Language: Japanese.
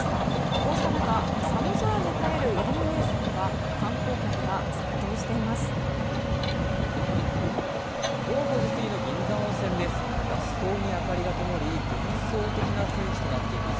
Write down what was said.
こうした中、寒空に映えるイルミネーションには観光客が殺到しています。